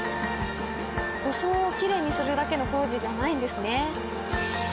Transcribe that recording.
装をきれいにするだけの工事じゃないんですね。